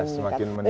iya semakin meningkat